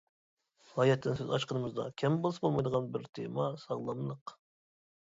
ھاياتتىن سۆز ئاچقىنىمىزدا، كەم بولسا بولمايدىغان بىر تېما ساغلاملىق.